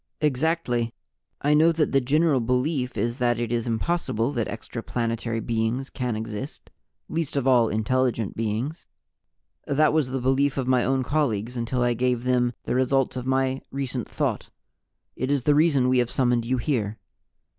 "Exactly. I know that the general belief is that it is impossible that extraplanetary beings can exist, least of all intelligent beings. That was the belief of my own colleagues until I gave them the results of my recent Thought. It is the reason We have summoned you here.